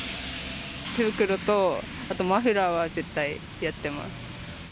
手袋と、あとマフラーは絶対やってます。